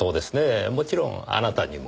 もちろんあなたにも。